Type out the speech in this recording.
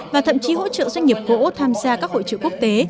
và thậm chí hỗ trợ doanh nghiệp gỗ tham gia các hội trợ quốc tế